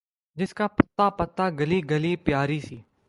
جس کا پتا پتا، کلی کلی پیاری سی